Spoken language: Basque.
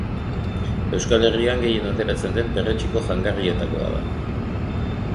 Euskal Herrian gehien ateratzen den perretxiko jangarrietakoa da.